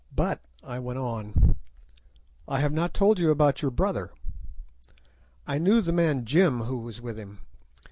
"But," I went on, "I have not told you about your brother. I knew the man Jim who was with him.